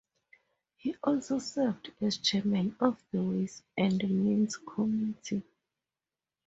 He also served as chairman of the Ways and Means Committee.